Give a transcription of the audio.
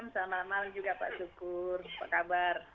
selamat malam juga pak syukur apa kabar